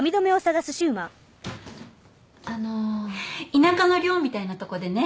田舎の寮みたいなとこでね